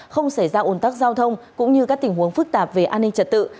không xảy ra ồn tắc giao thông cũng như các tình huống phức tạp về an ninh trật tự